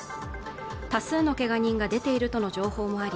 多数のけが人が出ているとの情報もあり